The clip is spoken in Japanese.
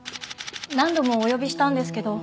何度もお呼びしたんですけど。